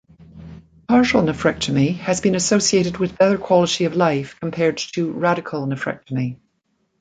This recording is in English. Partial nephrectomy has been associated with better quality of life compared to radical nephrectomy.